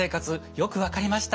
よく分かりました。